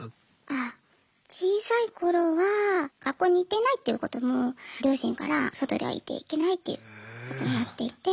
あ小さい頃は学校に行っていないということも両親から外では言ってはいけないってことになっていて。